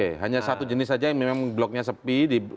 oke hanya satu jenis saja yang memang bloknya sepi